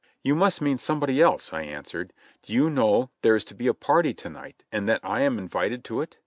"You must mean somebody else," I answered ; "do you know there is to be a party to night, and that I am invited to it?"